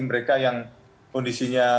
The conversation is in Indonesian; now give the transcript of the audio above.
mereka yang kondisinya